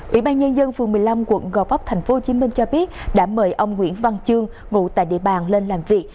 ủy ban nhân dân phường một mươi năm quận gò vấp tp hcm cho biết đã mời ông nguyễn văn chương ngủ tại địa bàn lên làm việc